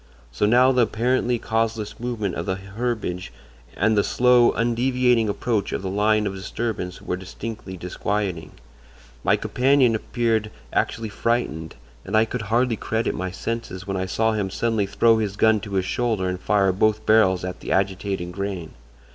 So now the apparently causeless movement of the herbage and the slow, undeviating approach of the line of disturbance were distinctly disquieting. My companion appeared actually frightened, and I could hardly credit my senses when I saw him suddenly throw his gun to his shoulder and fire both barrels at the agitated grain!